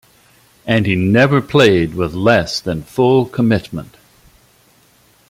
And he never played with less than full commitment.